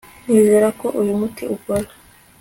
Nizere ko uyu muti ukora